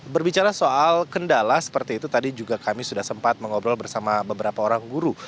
berbicara soal kendala seperti itu tadi juga kami sudah sempat mengobrol bersama beberapa orang guru